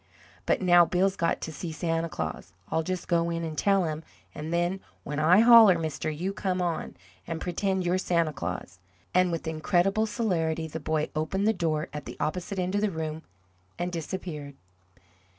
But now Bill's got to see Santa Claus. I'll just go in and tell him, an' then, when I holler, mister, you come on, and pretend you're Santa Claus." And with incredible celerity the boy opened the door at the opposite end of the room and disappeared.